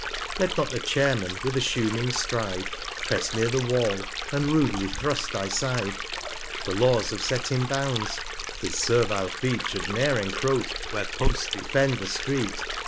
Let not the Chairman, with assuming Stride, Press near the Wall, and rudely thrust thy Side : The Laws have set him Bounds; his servile Feet 155 Should ne'er encroach where Posts defend the Street.